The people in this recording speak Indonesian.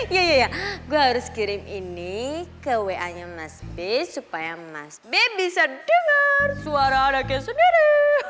iya iya gue harus kirim ini ke wa nya mas b supaya mas b bisa dengar suara anaknya saudara